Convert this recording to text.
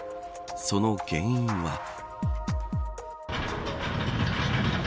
その原因は。